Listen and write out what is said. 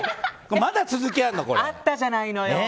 あったじゃないのよ！